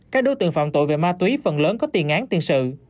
các đối tượng phạm tội về ma túy phần lớn có tiền án tiền sự